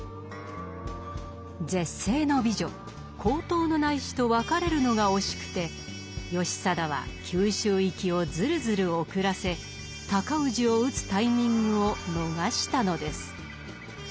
絶世の美女勾当内侍と別れるのが惜しくて義貞は九州行きをズルズル遅らせ尊氏を討つタイミングを逃したのです。